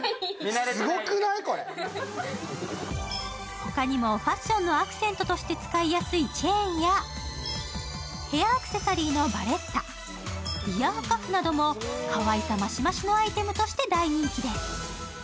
他にもファッションのアクセントとして使いやすいチェーンやヘアアクセサリーのバレッタ、イヤーカフなどもかわいさマシマシのアイテムとして大人気です。